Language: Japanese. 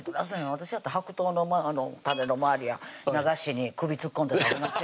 私だって白桃の種の周りは流しに首突っ込んで食べますよ